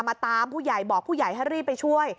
ตามผู้ใหญ่บอกผู้ใหญ่ให้รีบไปช่วย